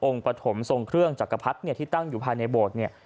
ปฐมทรงเครื่องจักรพรรดิเนี่ยที่ตั้งอยู่ภายในโบสถ์เนี่ย